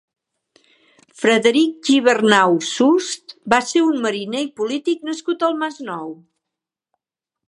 Frederic Gibernau Sust va ser un mariner i polític nascut al Masnou.